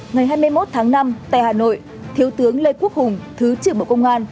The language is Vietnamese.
ngày hai mươi một tháng năm tại hà nội thiếu tướng lê quốc hùng thứ trưởng bộ công an